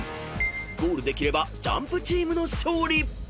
［ゴールできればＪＵＭＰチームの勝利］